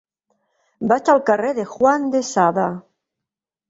Vaig al carrer de Juan de Sada.